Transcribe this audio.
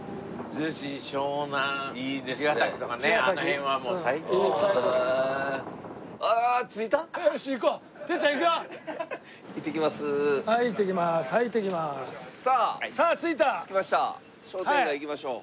逗子銀座商店街行きましょう。